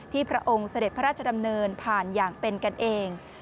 พระองค์เสด็จพระราชดำเนินผ่านอย่างเป็นกันเอง